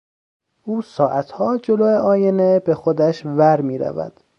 او ساعتها جلو آینه به خودش ور میرود.